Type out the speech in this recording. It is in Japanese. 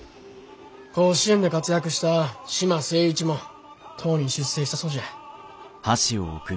甲子園で活躍した嶋清一もとうに出征したそうじゃ。